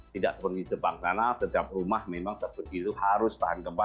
tidak seperti jepang karena setiap rumah memang seperti itu harus tahan gempa